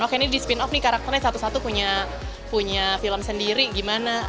oke ini di spin off nih karakternya satu satu punya film sendiri gimana